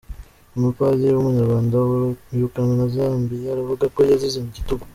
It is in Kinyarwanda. Umupadiri w’Umunyarwanda wirukanwe na Zambia aravuga ko yazize igitugu